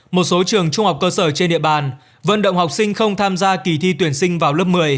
một số trường trung học cơ sở trên địa bàn vận động học sinh không tham gia kỳ thi tuyển sinh vào lớp một mươi